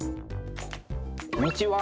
こんにちは。